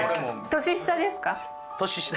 年下です。